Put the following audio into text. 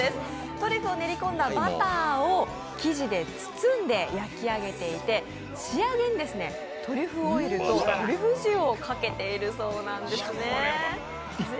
トリュフを練り込んだバターを生地で包んで焼き上げていて仕上げにトリュフオイルとトリュフ塩をかけているそうなんです。